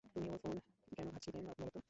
তুমি ওর ফোন কেন ঘাঁটছিলে, বলো তো?